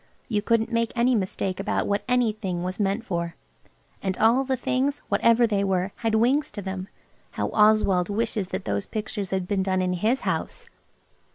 You couldn't make any mistake about what anything was meant for. And all the things, whatever they were, had wings to them. How Oswald wishes that those pictures had been done in his house!